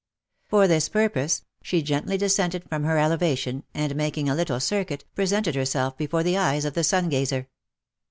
For this purpose, she gently descended from her elevation, and making a little circuit, presented herself before the eyes of the sun gazer.